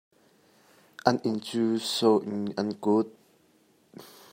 An inn cu so in an kulh.